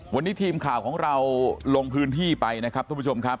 วันนี้ทีมข่าวของเราลงพื้นที่ไปนะครับทุกผู้ชมครับ